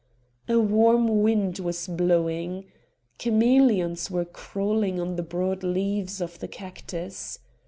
A warm wind was blowing. Chameleons were crawling on the broad leaves of the cactus.